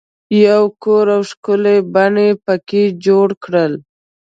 یو کور او ښکلی بڼ یې په کې جوړ کړل.